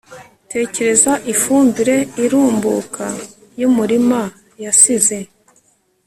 Tekereza ifumbire irumbuka yumurima yasize